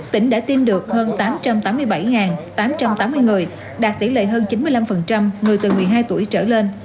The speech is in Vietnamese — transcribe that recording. tỉnh đã tiêm được hơn tám trăm tám mươi bảy tám trăm tám mươi người đạt tỷ lệ hơn chín mươi năm người từ một mươi hai tuổi trở lên